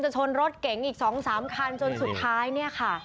ชนรถเก๋งอีก๒๓คันจนสุดท้ายเนี่ยค่ะ